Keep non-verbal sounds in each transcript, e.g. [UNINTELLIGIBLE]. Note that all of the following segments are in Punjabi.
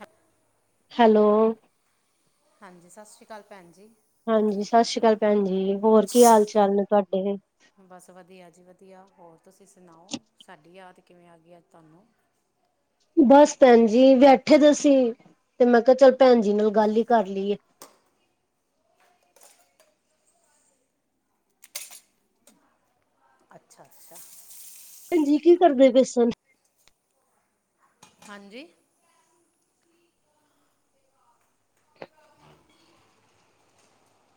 ਹੱਤ। ਹੈਲੋ। ਹਾਂਜੀ, ਸਤਿ ਸ਼੍ਰੀ ਅਕਾਲ ਭੈਣ ਜੀ। ਹਾਂਜੀ ਸਤਿ ਸ਼੍ਰੀ ਅਕਾਲ ਭੈਣ ਜੀ। ਹੋਰ ਕੀ ਹਾਲ ਚਾਲ ਨੇ ਤੁਹਾਡੇ? ਬਸ ਵਧੀਆ ਜੀ ਵਧੀਆ, ਹੋਰ ਤੁਸੀਂ ਸੁਣਾਓ? ਸਾਡੀ ਯਾਦ ਕਿਵੇਂ ਆ ਗਈ ਅਜ ਤੁਹਾਨੂੰ? ਬਸ ਭੈਣ ਜੀ, ਬੈਠੇ ਦੇ ਸੀ, ਤੇ ਮੈਂ ਕਿਹਾ ਚੱਲ ਭੈਣ ਜੀ ਨਾਲ ਗੱਲ ਹੀ ਕਰ ਲਈਏ। ਅੱਛਾ -ਅੱਛਾ। ਭੈਜੀ ਕੀ ਕਰਦੇ ਪਏ ਸਨ? ਹਾਂਜੀ।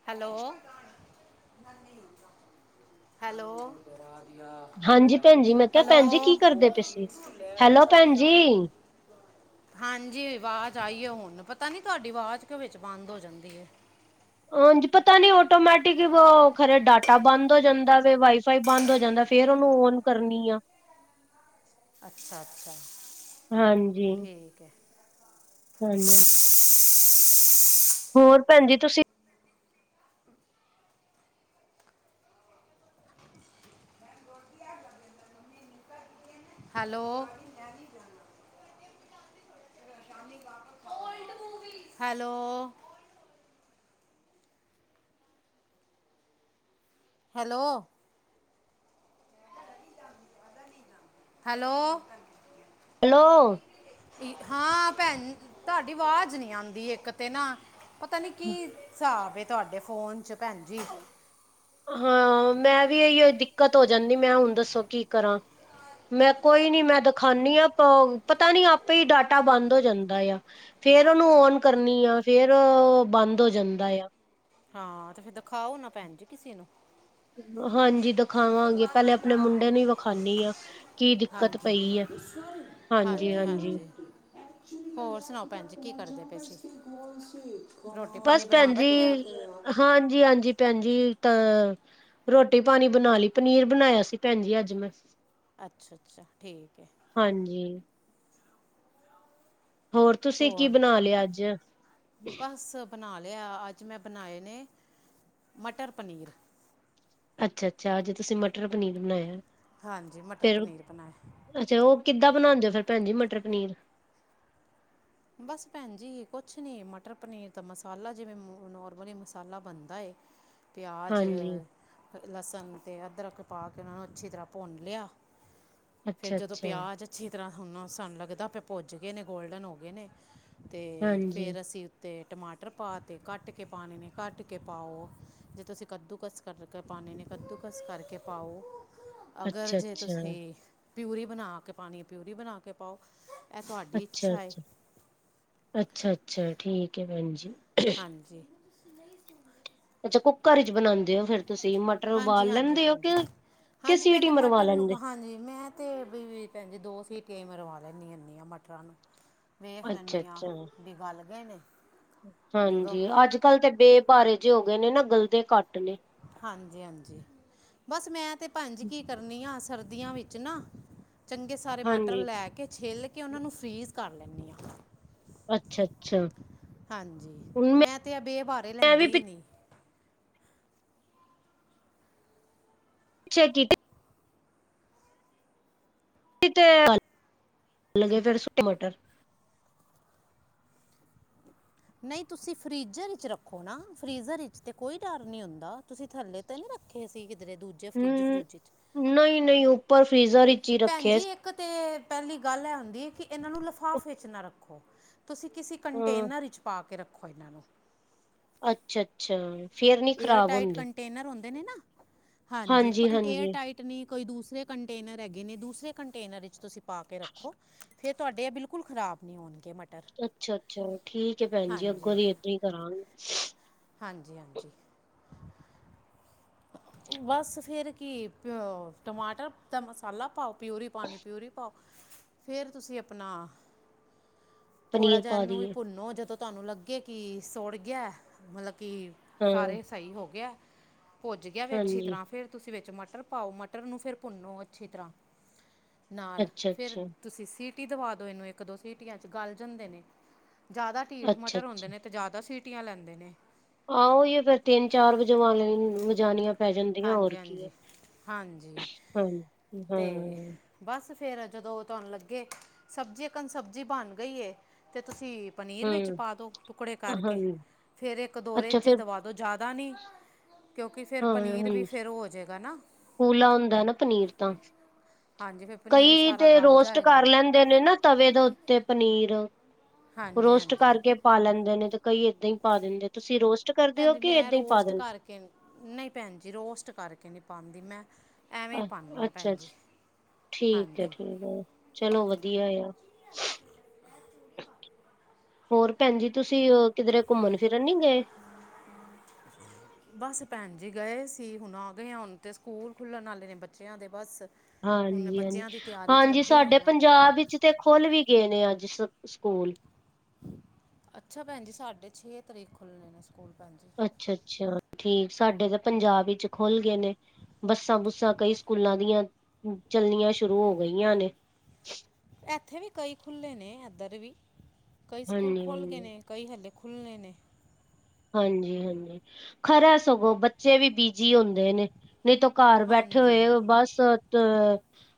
Hello -hello. ਹਾਂਜੀ ਭੈਣ ਜੀ ਮੈਂ ਕਿਹਾ ਹੈਲੋ ਭੈਣ ਜੀ [UNINTELLIGIBLE] ਕੀ ਕਰਦੇ ਪਏ ਸੀ ਹੈਲੋ ਭੈਣ ਜੀ ਹਾਂਜੀ ਆਵਾਜ਼ ਆਈ ਏ ਹੁਣ ਪਤਾ ਨੀ ਤੁਹਾਡੀ ਆਵਾਜ਼ ਕਿਉਂ ਵਿੱਚ ਬੰਦ ਹੋ ਜਾਂਦੀ ਏ। ਉਂਝ ਪਤਾ ਨੀ ਆਟੋਮੈਟਿਕ ਈ ਖਰੇ ਡਾਟਾ ਬੰਦ ਹੋ ਜਾਂਦਾ ਵੇ ਵਾਈ ਫਾਈ ਬੰਦ ਹੋ ਜਾਂਦਾ ਫੇਰ ਉਹਨੂੰ ਓਨ ਕਰਨੀ ਆ। ਅੱਛਾ-ਅੱਛਾ ਠੀਕ ਐ। ਹਾਂਜੀ-ਹਾਂਜੀ। ਹੋਰ ਭੈਣ ਜੀ ਤੁਸੀਂ hello. Hello. Hello. Hello. Hello. ਹਾਂ ਭੈਣ, ਤੁਹਾਡੀ ਆਵਾਜ਼ ਨੀ ਆਂਦੀ ਇੱਕ ਤੇ ਨਾ। ਪਤਾ ਨਹੀਂ ਕੀ ਸਾਬ ਹੈ ਤੁਹਾਡੇ ਫੋਨ 'ਚ ਭੈਣ ਜੀ। ਹਾਂ ਮੈਂ ਵੀ ਇਹੀਓ ਦਿੱਕਤ ਹੋ ਜਾਂਦੀ ਮੈਂ ਹੁਣ ਦੱਸੋ ਕੀ ਕਰਾਂ। ਮੈਂ ਕੋਈ ਨੀ ਮੈਂ ਦਿਖਾਨੀ ਅਤ ਪਤਾ ਨੀ ਆਪੇ ਈ ਡਾਟਾ ਬੰਦ ਹੋ ਜਾਂਦਾ ਆ। ਫੇਰ ਉਹਨੂੰ ਓਨ ਕਰਨੀ ਆ ਫੇਰ ਬੰਦ ਹੋ ਜਾਂਦਾ ਆ। ਹਾਂ ਤੇ ਫਰ ਦਿਖਾਓ ਨਾ ਪੈਣ ਜੀ ਕਿਸੇ ਨੂੰ। ਹਾਂਜੀ ਦ ਖਾਵਾਂਗੇ ਪਹਿਲੇ ਆਪਣੇ ਮੁੰਡੇ ਨੂੰ ਹੀ ਵਿਖਾਨੀ ਆ ਕੀ ਦਿੱਕਤ ਹਾਂਜੀ ਪਈ ਏ। ਹਾਂਜੀ ਹਾਂਜੀ-ਹਾਂਜੀ। ਹਾਂਜੀ ਹੋਰ ਸੁਣਾਓ ਭੈਣ ਜੀ ਕੀ ਕਰਦੇ ਪਏ ਸੀ? ਰੋਟੀ ਪਾਣੀ ਬਸ ਬਣਾ ਭੈਣ ਜੀ, ਬੈਠੇ ਹੋ ਹਾਂਜੀ-ਹਾਂਜੀ ਭੈਣ ਜੀ ਤਾਂ, ਰੋਟੀ ਪਾਣੀ ਬਣਾ ਲਈ ਪਨੀਰ ਬਣਾਇਆ ਸੀ ਭੈਣ ਜੀ ਅੱਜ ਮੈਂ। ਅੱਛਾ-ਅੱਛਾ ਠੀਕ ਐ। ਹਾਂਜੀ। ਹੋਰ ਤੁਸੀਂ ਕੀ ਹੋਰ ਬਣਾ ਲਿਆ ਅੱਜ। ਬਸ ਬਣਾ ਲਿਆ ਅੱਜ ਮੈਂ ਬਣਾਏ ਨੇ, ਮਟਰ ਪਨੀਰ। ਅੱਛਾ-ਅੱਛਾ ਅੱਜ ਤੁਸੀਂ ਮਟਰ ਪਨੀਰ ਬਣਾਇਆ। ਹਾਂਜੀ ਮਟਰ ਪਨੀਰ ਬਣਾਇਆ। ਤੇ ਉਹ ਕਿੱਦਾਂ ਬਣਾਉਦੇ ਫਿਰ ਭੈਣ ਜੀ ਮਟਰ ਪਨੀਰ? ਬਸ ਭੈਣ ਜੀ ਕੁਛ ਨੀ ਮਟਰ ਪਨੀਰ ਦਾ ਮਸਾਲਾ ਜਿਵੇਂ ਨੋਰਮਲੀ ਮਸਾਲਾ ਬਣਦਾ ਏ। [INAUDIBLE] ਪਿਆਜ਼, ਹਾਂਜੀ। ਲਸਣ ਤੇ ਅਦਰਕ ਪਾ ਕੇ ਉਹਨੂੰ ਅੱਛੀ ਤਰ੍ਹਾਂ ਭੁੰਨ ਲਿਆ। ਫੇਰ ਜਦੋਂ ਅੱਛਾ-ਅੱਛਾ, ਪਿਆਜ ਅੱਛੀ ਤਰ੍ਹਾਂ ਹੁਣ ਸਾਨੂੰ ਲੱਗਦਾ ਪਿਆ ਭੁੱਜ ਗਏ ਨੇ ਗੋਲਡਨ ਹੋ ਗਏ ਨੇ- ਤੇ ਹਾਂਜੀ, ਫਿਰ ਅਸੀਂ ਤੇ ਟਮਾਟਰ ਪਾ ਤੇ ਕੱਟ ਕੇ ਪਾਣੇ ਨੇ ਕੱਟ ਕੇ ਪਾਓ, ਜੇ ਤੁਸੀਂ ਕੱਦੂਕਸ ਕਰਕੇ ਪਾਣੇ ਨੇ, ਕੱਦੂਕਸ ਕਰਕੇ ਪਾਓ, ਅਗਰ ਜੇ ਅੱਛਾ-ਅੱਛਾ, ਤੁਸੀਂ ਪਿਊਰੀ ਬਣਾ ਕੇ ਪਾਣੀ ਪਿਊਰੀ ਬਣਾ ਕੇ ਪਾਓ। ਇਹ ਤੁਹਾਡੀ ਇੱਛਾ ਏ ਅੱਛਾ-ਅੱਛਾ, ਅੱਛਾ-ਅੱਛਾ ਠੀਕ ਹੈ ਭੈਣ ਜੀ। ਹਾਂਜੀ। ਅੱਛਾ ਕੁੱਕਰ ਵਿੱਚ ਬਣਾ ਦੇ ਓ ਫਿਰ ਤੁਸੀਂ ਮਟਰ ਹਾਂਜੀ ਉਬਾਲ ਹਾਂਜੀ ਲੈਂਦੇ ਓ, ਭੈਣ ਜੀ ਕਿ ਹਾਂਜੀ ਸੀਟੀ ਪਹਿਲੇ ਮਰਵਾ ਮਟਰ ਨੂੰ ਲੈਂਦੇ। ਹਾਂਜੀ ਮੈਂ ਤੇ ਵੀ ਭੈਣ ਜੀ ਦੋ ਸੀਟੀਆਂ ਹੀ ਮਰਵਾ ਲੈਂਦੀ ਹੁਣੀ ਆ ਮਟਰਾਂ ਨੂੰ। ਵੇਖ ਲੈਣੀ ਨੇ, ਅੱਛਾ-ਅੱਛਾ ਬੀ ਵੱਲ ਗਏ ਨੇ। ਜਦੋਂ ਹਾਂਜੀ, ਅੱਜ-ਕੱਲ੍ਹ ਤੇ ਬੇ ਭਾਰੇ ਜੇ ਹੋ ਗਏ ਨੇ ਨਾ, ਗਲਦੇ ਘੱਟ ਨੇ। ਹਾਂਜੀ-ਹਾਂਜੀ, ਬਸ ਮੈਂ ਤਾਂ ਭੈਣ ਜੀ, ਕੀ ਕਰਨੀ ਆ ਸਰਦੀਆਂ ਵਿੱਚ ਨਾ ਚੰਗੇ ਸਾਰੇ ਮਟਰ ਹਾਂਜੀ ਲੈ ਕੇ, ਛਿੱਲ ਕੇ, ਉਹਨਾਂ ਨੂੰ ਫਰੀਜ਼ ਕਰ ਲੈਂਨੀ ਆ। ਅੱਛਾ-ਅੱਛਾ ਹਾਂਜੀ, ਹੁਣ ਮੈਂ ਤੇ ਆ ਬੇ ਭਾਰੇ ਮੈਂ ਵੀ ਲੈਂਦੀ ਈ ਨੀ। ਚੈ ਕੀ ਕੀਤੇ ਕੱਲ ਲੱਗੇ ਪੈ ਸੁਕੇ ਮਟਰ ਨਈ, ਤੁਸੀਂ ਫਰੀਜ਼ਰ ਵਿੱਚ ਰੱਖੋ ਨਾ, ਫਰੀਜ਼ਰ ਵਿੱਚ ਕੋਈ ਡਰ ਨਈ ਹੁੰਦਾ, ਤੁਸੀਂ ਥੱਲੇ ਤਾਂ ਨੀ ਰੱਖੇ ਹੋਏ ਸੀਂ, ਕਿਧਰੇ ਦੂਜੇ ਫਰਿੱਜ-ਫਰੂੱਜ'ਚ? ਨਈ-ਨਈ ਉੱਪਰ ਫ੍ਰੀਜ਼ਰ ਹੀ ਭੈਣ ਰੱਖਿਆ ਜੀ, ਇੱਕ ਤੇ ਪਹਿਲੀ ਗੱਲ ਇਹ ਹੁੰਦੀ ਐ ਕਿ, ਇਹਨਾਂ ਨੂੰ ਲਿਫ਼ਾਫੇ ਵਿੱਚ ਨਾ ਰੱਖੋ ਤੁਸੀਂ ਕਿਸੇ ਹਾਂ ਕੰਟੇਨਰ ਵਿੱਚ ਪਾ ਕੇ ਰੱਖੋ ਇਹਨਾਂ ਨੂੰ। ਅੱਛਾ-ਅੱਛਾ। ਫੇਰ ਨੀ ਖ਼ਰਾਬ ਏਅਰਟਾਈਟ ਹੁੰਦੇ ਕੰਟੇਨਰ ਹੁੰਦੇ ਨੇ ਨਾ, ਹਾਂਜੀ, ਹਾਂਜੀ-ਹਾਂਜੀ ਏਅਰਟਾਈਟ ਨਈ ਕੋਈ ਦੂਸਰੇ ਕੰਟੇਨਰ ਹੈਗੇ ਨੇ, ਦੂਸਰੇ ਕੰਟੇਨਰ ਵਿੱਚ ਤੁਸੀਂ ਪਾ ਕੇ ਰੱਖੋ ਫਿਰ ਤੁਹਾਡੇ ਇਹ ਬਿਲਕੁਲ ਖਰਾਬ ਨਈ ਹੋਣਗੇ ਮ ਅੱਛਾ-ਅੱਛਾ, ਠੀਕ ਏ ਭੈਣ ਜੀ, ਅੱਗੋਂ ਦੀ ਏਦਾਂ ਕਰਾਂਗੇ। ਹਾਂਜੀ-ਹਾਂਜੀ। ਬਸ ਫਿਰ ਕੀ ਏ, ਟਮਾਟਰ ਦਾ ਮਸਾਲਾ ਪਾਓ ਪਿਊਰੀ ਪਾਣੀ ਪਿਊਰੀ ਪਾਓ, ਫਿਰ ਤੁਸੀਂ ਆਪਣਾ ਥੋੜ੍ਹਾ ਪਨੀਰ ਜਿਹਾ ਪਾ ਇਹਨੂੰ ਵੀ ਦੀਏ ਭੁੰਨੋ, ਜਦੋਂ ਤੁਹਾਨੂੰ ਲੱਗੇ ਕਿ ਸੁੜ ਗਿਆ, ਮਤਲਬ ਕਿ ਹਾਂ ਸਾਰੇ ਸਹੀ ਹੋ ਗਿਆ ਭੱਜ ਗਿਆ ਵੇ ਅੱਛੀ ਹਾਂਜੀ ਤਰ੍ਹਾਂ ਫਿਰ ਤੁਸੀਂ ਵਿੱਚ ਮਟਰ ਪਾਓ, ਮਟਰ ਨੂੰ ਫਿਰ ਭੁੰਨੋ ਅੱਛੀ ਤਰ੍ਹਾਂ ਨਾਲ ਅੱਛਾ ਫਿਰ ਅੱਛਾ ਤੁਸੀਂ ਸੀਟ ਟੀ ਦਵਾ ਦੋ, ਇਹਨੂੰ ਇੱਕ-ਦੋ ਸਟੀਆਂ'ਚ ਗਲ ਜਾਂਦੇ ਨੇ, ਜਿਆਦਾ ਢੀਠ ਅੱਛਾ ਮਟਰ ਹੁੰਦੇ ਅੱਛਾ ਨੇ ਤੇ ਜ਼ਿਆਦਾ ਸੀਟੀਆਂ ਲੈਂਦੇ ਨੇ। ਉਹੀ ਏ, ਫੇਰ ਤਿੰਨ-ਚਾਰ ਵਜਾਵਨੀ-ਵਜਾਣੀਆਂ ਪੈ ਜਾਂਦੀਆਂ, ਹੋਰ ਹਾਂਜੀ ਕੀ ਐ ਹਾਂਜੀ ਹਾਂਜੀ ਹਾਂ। ਤੇ ਬਸ ਫਿਰ, ਜਦੋਂ ਤੁਹਾਨੂੰ ਲੱਗੇ ਸਬਜ਼ੀ ਇੱਕਨ ਸਬਜ਼ੀ ਬਣ ਗਈ ਏ, ਤਾਂ ਤੁਸੀਂ ਪਨੀਰ ਵਿੱਚ ਹਮ ਪਾ ਦਿਓ, ਟੁਕੜੇ ਕਰਕੇ, ਹਾਂਜੀ ਫੇਰ ਇੱਕ-ਦੋ ਅੱਛਾ ਰੇਜੇ ਫੇਰ ਦਵਾ ਦਿਓ, ਜ਼ਿਆਦਾ ਨੀ ਕਿਉਂਕਿ ਫਿਰ ਹਾਂ ਪਨੀਰ ਵੀ, ਹਾਂਜੀ ਫਿਰ ਓਹ ਹੋ ਜਾਏਗਾ ਨਾ। ਕੂਲਾ ਹੁੰਦਾ ਨਾ ਪਨੀਰ ਤਾਂ। ਹਾਂਜੀ ਫਿਰ ਪਨੀਰ ਕਈ ਸਾਰਾ ਤੇ ਗਲ ਰੋਸਟ ਜਾਏਗਾ ਕਰ ਲੈਂਣ ਦੇ ਨੇ ਨਾ ਤਵੇ ਦੇ ਉੱਤੇ ਪਨੀਰ, ਹਾਂਜੀ ਰੋਸਟ ਹਾਂਜੀ ਕਰਕੇ ਪਾ ਲੈਂਦੇ ਨੇ ਤੇ ਕਈ ਏਦਾਂ ਹੀ ਪਾ ਦਿੰਦੇ। ਤੁਸੀਂ ਰੋਸਟ ਕਰਦੇ ਹੋ ਕਿ ਏਦਾਂ ਈ ਪਾ ਦਿੰਦੇ? ਨਈ ਭੈਣ ਜੀ ਰੋਸਟ ਕਰਕੇ ਨਈ ਪਾਦੀ ਮੈਂ ਐਵੇਂ ਹੀ ਅ ਪਾਉਂਦੀ ਹਾਂ ਭੈਣ ਜੀ ਅੱਛਾ-ਅੱਛਾ ਠੀਕ ਐ ਹਾਂਜੀ ਠੀਕ ਅ ਚਲੋ ਵਧੀਆ ਐ, ਹੋਰ ਭੈਣ ਜੀ? ਤੁਸੀਂ ਓ ਕਿਧਰੇ ਘੁੰਮਣ ਫਿਰਨ ਨੀ ਗੇ? [INAUDIBLE] ਬਸ ਭੈਣ ਜੀ ਗਏ ਸੀ ਹੁਣ ਆ ਗਇਆ ਹੁਣ ਤੇ ਸਕੂਲ ਖੁੱਲਣ ਵਾਲੇ ਨੇ ਬੱਚਿਆਂ ਦੇ ਬਸ ਹੁਣ ਹਾਂਜੀ ਹਾਂਜੀ, ਬੱਚਿਆਂ ਦੀ ਤਿਆਰੀ 'ਚ ਹਾਂਜੀ ਲੱਗੇ ਸਾਡੇ ਹੋਏ ਆ ਪੰਜਾਬ ਵਿੱਚ ਤੇ ਖੁਲ ਵੀ ਗਏ ਨੇ ਅੱਜ ਸ-ਸਕੂਲ। ਅੱਛਾ ਭੈਣ ਜੀ ਸਾਡੇ ਛੇ ਤਰੀਕ ਖੁੱਲ੍ਹਣੇ ਨੇ ਸਕੂਲ ਭੈਣ ਜੀ। ਅੱਛਾ-ਅੱਛਾ ਠੀਕ ਸਾਡੇ ਤਾਂ ਪੰਜਾਬ ਵਿੱਚ ਖੁੱਲ ਗੇ ਨੇ। ਬੱਸਾਂ ਬੁੱਸਾਂ ਕਈ ਸਕੂਲਾਂ ਦੀਆਂ ਚੱਲਣੀਆਂ ਸ਼ੁਰੂ ਹੋ ਗਈਆਂ ਨੇ। ਐਥੇ ਵੀ ਕਈ ਖੁੱਲੇ ਨੇ ਐਧਰ ਵੀ ਕਈ ਸਕੂਲ ਹਾਂਜੀ ਖੁੱਲ ਗੇ ਹਾਂਜੀ ਨੇ ਕਈ ਹਲੇ ਖੁੱਲਣੇ ਨੇ। ਹਾਂਜੀ-ਹਾਂਜੀ ਖਰਾ ਸਗੋਂ ਬੱਚੇ ਵੀ ਬਿਜੀ ਹੁੰਦੇ ਨੇ ਨਈ ਤੋਂ ਘਰ ਬੈਠੇ ਹਾਂਜੀ ਹੋਏ ਬਸ ਤ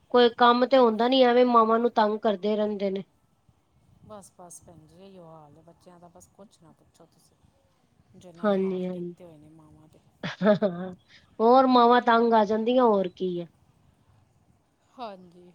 ਕੋਈ ਕੰਮ ਤੇ ਹੁੰਦਾ ਨੀ ਆਵੇ ਮਾਵਾਂ ਨੂੰ ਤੰਗ ਕਰਦੇ ਰੈਂਦੇ ਨੇ। ਬਸ-ਬਸ ਭੈਣ ਜੀ ਏਈਓ ਹਾਲ ਏ ਬੱਚਿਆਂ ਦਾ ਬਸ ਕੁਛ ਨਾ ਪੁੱਛੋ ਤੁਸੀਂ। ਜੋ ਇਨਾਂ ਨੇ ਹਾਲ ਹਾਂਜੀ ਹਾਂਜੀ ਕੀਤੇ ਹੋਏ ਨੇ ਮਾਵਾਂ ਦੇ। ਹੋਰ ਮਾਵਾਂ ਤੰਗ ਆ ਜਾਂਦੀਆਂ ਹੋਰ ਕੀ ਐ। ਹਾਂਜੀ।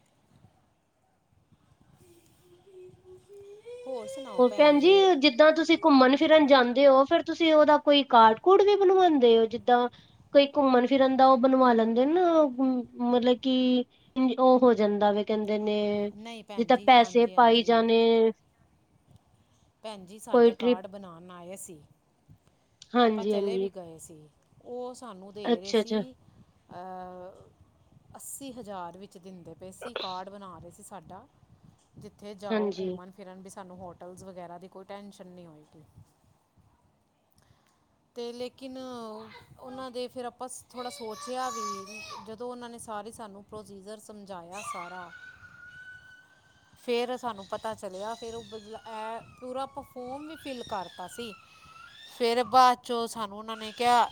ਹੋਰ ਸੁਣਾਓ ਭੈਣ ਜੀ? ਜਿੱਦਾਂ ਤੁਸੀਂ ਘੁੰਮਣ ਫਿਰਨ ਜਾਂਦੇ ਓ ਫੇਰ ਤੁਸੀਂ ਉਦਾ ਕੋਈ ਕਾਰਡ ਕੁਰਡ ਵੀ ਬਣਵਾਉਂਦੇ ਓ ਜਿੱਦਾਂ ਕੋਈ ਘੁੰਮਣ ਫਿਰਨ ਦਾ ਓ ਬਣਵਾ ਲੈਂਦੇ ਨਾ ਮਤਲਬ ਕਿ ਉਂਝ ਓ ਹੋ ਜਾਂਦਾ ਵੇ ਕੈਂਦੇ ਨੇ ਨਹੀਂ ਭੈਣ ਜਿੱਦਾਂ ਜੀ ਪੈਸੇ ਹਾਂਜੀ ਪਾਈ ਹਾਂਜੀ ਜਾਣੇ ਭੈਣ ਜੀ ਕੋਈ ਸਾਡਾ ਟ੍ਰਿਪ ਕਾਰਡ ਬਣਾਉਣ ਆਏ ਸੀ, ਆਪਾਂ ਹਾਂਜੀ ਚਲੇ ਵੀ ਹਾਂਜੀ ਗਏ ਸੀ। ਓ ਸਾਨੂੰ ਦੇ ਰੇ ਅੱਛਾ ਸੀ ਅੱਛਾ ਅ ਅੱਸੀ ਹਜ਼ਾਰ ਵਿੱ ਚ ਦਿੰਦੇ ਪਏ ਸੀ ਕਾਰਡ ਬਣਾ ਰੇ ਸੀ ਸਾਡਾ, ਜਿੱਥੇ ਜਾਓ ਹਾਂਜੀ ਘੁੰਮਣ ਫਿਰਨ ਵੀ ਸਾਨੂੰ ਹੋਟਲਸ ਵਗੈਰਾ ਦੀ ਕੋਈ ਟੈਂਨਸ਼ਨ ਨੀ ਹੋਏਗੀ ਹ ਤੇ ਲੇਕਿਨ ਉਨਾਂ ਦੇ ਫਿਰ ਆਪਾਂ ਥੋੜਾ ਸੋਚਿਆਂ ਵੀ ਜ ਦੋ ਉਨਾਂ ਨੇ ਸਾਰੀ ਸਾਨੂੰ ਪ੍ਰੋਸੀਜ਼ਰ ਸਮਝਾਇਆ ਸਾਰਾ ਫੇਰ ਸਾਨੂੰ ਪਤਾ ਚਲਿਆ ਫੇਰ ਓ ਬਦ ਐ ਪੂਰਾ ਆਪਾਂ ਫੋਰਮ ਵੀ ਫਿਲ ਕਰਤਾ ਸੀ ਫੇਰ ਬਾਅਦ ਚੋਂ ਸਾਨੂੰ ਉਨਾਂ ਨੇ ਕੇਆ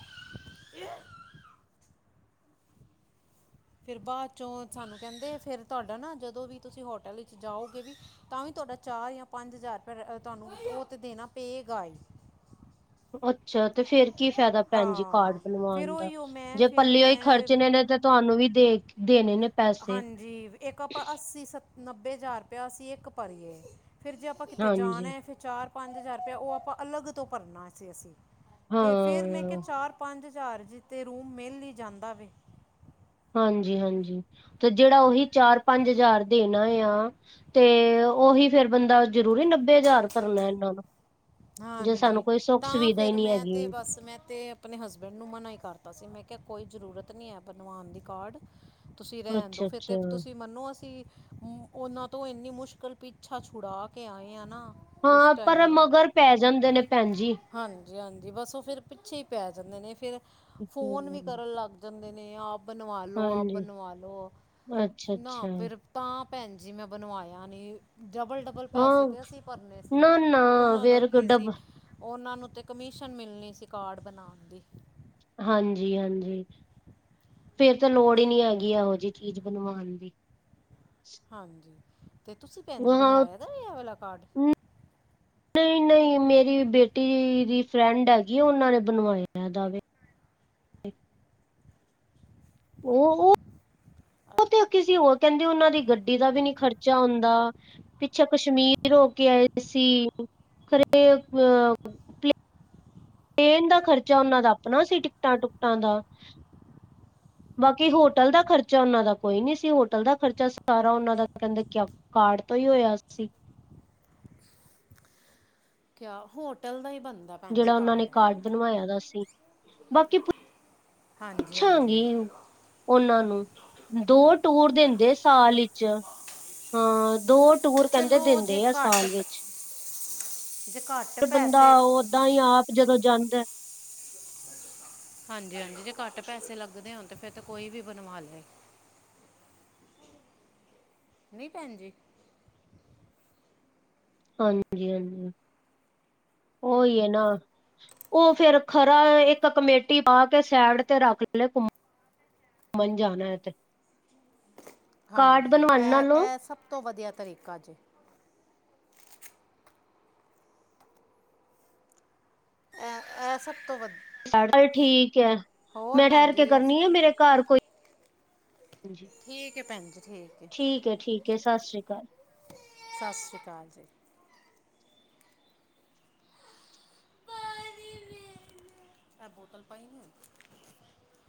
ਫੇਰ ਬਾਅਦ ਚੋਂ ਸਾਨੂੰ ਕੈਂਦੇ ਫਿਰ ਤੁਹਾਡਾ ਨਾ ਜਦੋਂ ਵੀ ਤੁਸੀਂ ਹੋਟਲ ਵਿੱਚ ਜਾਓਗੇ ਵੀ ਤਾਂ ਵੀ ਤੁਹਾਡਾ ਚਾਰ ਜਾਂ ਪੰਜ ਹਜ਼ਾਰ ਰੁਪਏ ਰੇ ਤੁਹਾਨੂੰ ਓ ਤੇ ਦੇਣਾ ਪੇਗਾ ਈ। ਅੱਛਾ ਤੇ ਫੇਰ ਕੀ ਫ਼ਾਇਦਾ ਭੈਣ ਜੀ ਕਾਰਡ ਹਾਂ ਫਿਰ ਬਣਵਾਉਣ ਦਾ ਉਹੀ ਉਹ ਮੈਂ ਜੇ ਫਿਰ ਪੱਲੇ ਓ ਈ ਮੈਂ ਖਰਚਣੇ ਨੇ ਤੇ ਤੁਹਾਨੂੰ ਵੀ ਦੇ ਦੇਣੇ ਨੇ। ਪੈਸੇ ਹਾਂਜੀ ਇੱਕ ਆਪਾਂ ਅੱਸੀ ਸ ਨੱਬੇ ਹਜ਼ਾਰ ਰੁਪਇਆ ਅਸੀਂ ਇੱਕ ਭਰੀਏ ਫੇਰ ਜੇ ਆਪਾਂ ਕਿੱਤੇ ਜਾਣਾ ਹਾਂਜੀ ਐ ਫਿਰ ਚਾਰ-ਪੰਜ ਹਜ਼ਾਰ ਰੁਪਇਆ ਓ ਆਪਾਂ ਅਲੱਗ ਤੋਂ ਭਰਨਾ ਸੀ ਅਸੀਂ ਤੇ ਫੇਰ ਮੈਂ ਕੇਆ ਹਾਂ, ਚਾਰ-ਪੰਜ ਹਜ਼ਾਰ ਜੀਤੇ ਰੂਮ ਮਿਲ ਈ ਜਾਂਦਾ ਵੇ‌। ਹਾਂਜੀ-ਹਾਂਜੀ ਤੇ ਜੇੜਾ ਉਹੀ ਚਾਰ-ਪੰਜ ਹਜ਼ਾਰ ਦੇਣਾ ਆ ਤੇ ਉਹੀ ਫੇਰ ਬੰਦਾ ਜ਼ਰੂਰੀ ਨੱਬੇ ਹਜ਼ਾਰ ਭਰਨਾ ਇਹਨਾਂ ਨੂੰ ਜੇ ਸਾਨੂੰ ਹਾਂਜੀ ਕੋਈ ਸੁੱਖ ਤਾਂ ਸੁਵਿਧਾ ਹੀ ਫੇਰ ਨਹੀਂ ਮੈਂ ਹੈਗੀ ਤੇ ਬਸ ਮੈਂ ਤੇ ਆਪਣੇ ਹਸਬੈਂਡ ਨੂੰ ਮਨਾ ਈ ਕਰਤਾ ਸੀ ਮੈਂ ਕੇਆ ਕੋਈ ਜ਼ਰੂਰਤ ਨੀ ਐ ਬਣਵਾਨ ਦੀ ਕਾਰਡ ਤੁਸੀਂ ਰੈਂਣ ਦੋ ਫਿਰ ਅੱਛਾ-ਅੱਛਾ ਤੇ ਤੁਸੀਂ ਮੰਨੋ ਅਸੀਂ ਉਨਾਂ ਤੋਂ ਇੰਨੀ ਮੁਸ਼ਕਿਲ ਪਿੱਛਾ ਛੁਡਾ ਕੇ ਆਏ ਆ ਨਾ ਉਸ ਹਾਂ ਪਰ ਮਗਰ ਪੈ ਜਾਂਦੇ ਨੇ ਭੈਣ ਜੀ। ਹਾਂਜੀ-ਹਾਂਜੀ ਬਸ ਓ ਫੇਰ ਪਿੱਛੇ ਈ ਪੈ ਜਾਂਦੇ ਨੇ ਫਿਰ ਫ਼ੋਨ ਵੀ ਹਮ, ਕਰਨ ਲੱਗ ਜਾਂਦੇ ਨੇ ਆਪ ਬਣਵਾ ਲੋ, ਆ ਹਾਂਜੀ ਬਣਵਾ ਲੋ, ਨਾ ਅੱਛਾ-ਅੱਛਾ ਫਿਰ ਤਾਂ ਭੈਣ ਜੀ ਮੈਂ ਬਣਵਾਇਆ ਨੀ ਡਬਲ-ਡਬਲ ਪੈਸੇ ਹਾਂ ਤੇ ਅਸੀਂ ਭਰਨੇ। ਨਾ-ਨਾ ਫੇਰ ਕੀ ਡਬ ਉਨਾਂ ਨੂੰ ਤੇ ਕਮਿਸ਼ਨ ਮਿਲਣੀ ਸੀ ਕਾਰਡ ਬਣਾਣ ਦੀ। ਹਾਂਜੀ-ਹਾਂਜੀ, ਫੇਰ ਤਾਂ ਲੋੜ ਈ ਨੀ ਹੈਗੀ ਇਹੋ ਜੀ ਚੀਜ਼ ਬਣਵਾਣ ਦੀ। ਹਾਂਜੀ ਤੇ ਤੁਸੀਂ ਭੈਣ ਜੀ ਬਣਵਾਇਆ ਹਾਂ ਦਾ ਐ ਵਾਲਾ ਕਾਰਡ? ਨਈਂ-ਨਈਂ ਮੇਰੀ ਬੇਟੀ ਦੀ ਫਰੈਂਡ ਹੈਗੀ ਓਨਾਂ ਨੇ ਬਣਵਾਏ ਐ ਏਦਾਂ ਦੇ। ਓ ਓ ਤੇ ਕਿਸੇ ਹੋਰ ਕਕੈਂਦੇ ਓਨਾਂ ਦੀ ਗੱਡੀ ਦਾ ਵੀ ਨੀਂ ਖਰਚਾ ਆਂਦਾ। ਪਿੱਛੇ ਕਸ਼ਮੀਰ ਹੋ ਕੇ ਆਏ ਸੀ, ਖਰੇ ਅਹ ਟੇਨ ਦਾ ਖਰਚਾ ਓਨਾਂ ਦਾ ਅਪਣਾ ਸੀ, ਟਿਕਟਾਂ-ਟੁਕਟਾਂ ਦਾ ਬਾਕੀ ਹੋਟਲ ਦਾ ਖਰਚਾ ਓਨਾਂ ਦਾ ਕੋਈ ਨੀਂ ਸੀ, ਹੋਟਲ ਦਾ ਖਰਚਾ ਸਾਰਾ ਓਨਾਂ ਦਾ ਕਿਆ ਕਾਰਡ ਤੋਂ ਈ ਹੋਇਆ ਸੀ। ਕਿਆ ਹੋਟਲ ਦਾ ਹੀ ਬਨਦਾ। ਜੇੜਾ ਓਨਾਂ ਨੇ ਕਾਰਡ ਬਣਵਾਯਾ ਦਾ ਸੀ ਬਾਕੀ ਹਾਂਜੀ-ਹਾਂਜੀ। ਓਨਾਂ ਨੂੰ ਦੋ ਟੂਰ ਦਿੰਦੇ ਸਾਲ ਇਚ। ਹਾਂ ਦੋ ਟੂਰ ਕੈਂਦੇ ਚਲੋ ਜੇ ਦਿੰਦੇ ਆ ਸਾਲ ਘੱਟ ਈਚ। ਜੇ ਘੱਟ ਤੇ ਬੰਦਾ ਪੈਸੇ ਓਦਾਂ ਈ ਆਪ ਜਦੋਂ ਜਾਂਦੈ [INAUDIBLE] ਹਾਂਜੀ-ਹਾਂਜੀ ਜੇ ਘੱਟ ਪੈਸੇ ਲੱਗਦੇ ਹੋਣ ਤੇ ਫੇਰ ਤੇ ਕੋਈ ਵੀ ਬਣਵਾਲੇ। ਨੀਂ, ਭੈਨ ਜੀ। ਹਾਂਜੀ-ਹਾਂਜੀ, ਓਈ ਏਨਾਂ। ਉਹ ਫੇਰ ਖਰਾ ਇੱਕ ਕਮੇਟੀ ਪਾਕੇ ਸੈਡ ਤੇ ਰੱਖ ਲੈ ਘੁੰਮ ਮਨ ਜਾਣਾ ਏਤੇ। ਹਾਂਜੀ ਐ ਨਾਲੋਂ ਐ ਸਬ ਤੋਂ ਵਦੀਆ ਤਰੀਕਾ ਜੇ। ਐ ਐ ਸਭ ਤੋਂ ਵੱਧ- ਠੀਕੈ ਮੈਂ ਭੈਣ ਠੈਰ ਜੀ ਕੇ ਇਹ ਕਰਨੀ ਆ, ਮੇਰੇ ਘਰ ਕੋਈ ਠੀਕ ਹੈ ਭੈਣ ਜੀ ਠੀਕ ਠੀਕੈ-ਠੀਕੈ, ਸਸ ਸ੍ਰੀ ਅਕਾਲ। ਸਸ ਸ੍ਰੀ ਅਕਾਲ ਜੀ। ਐ ਬੋਤਲ ਪਈ ਨਈਂ ਹੋਈ।